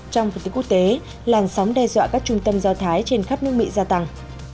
trong phần tiết quốc tế làn sóng đe dọa các trung tâm do thái trên khắp nước mỹ gia tăng